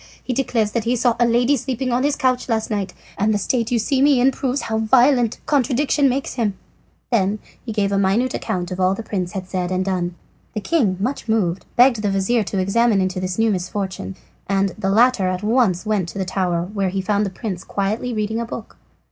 He declares that he saw a lady sleeping on his couch last night, and the state you see me in proves how violent contradiction makes him." He then gave a minute account of all the prince had said and done. The king, much moved, begged the vizir to examine into this new misfortune, and the latter at once went to the tower, where he found the prince quietly reading a book.